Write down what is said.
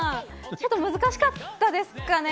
ちょっと難しかったですかね。